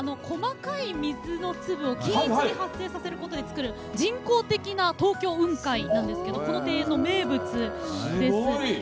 細かい水の粒を均一に発生させることで作れる人工的な「東京雲海」なんですけどこの庭園の名物です。